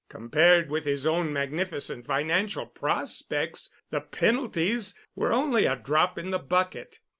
Compared with his own magnificent financial prospects, the penalties were only a drop in the bucket.